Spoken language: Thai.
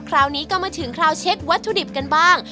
คราวนี้ก็มาถึงคราวเช็ควัตถุดิบกันบ้าง